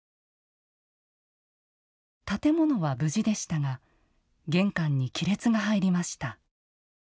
建物は無事でしたが玄関に亀裂が入りました。